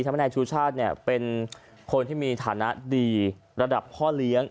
ทำให้นายชูชาติเป็นคนที่มีฐานะดีระดับพ่อเลี้ยง